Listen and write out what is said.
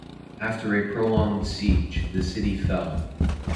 After a prolonged siege, the city fell.